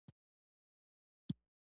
د روښنایۍ له خپرېدو سره راته ښکاره شول.